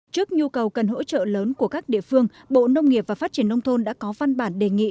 trước nhu cầu cần hỗ trợ lớn của các địa phương bộ nông nghiệp và phát triển nông thôn đã có văn bản đề nghị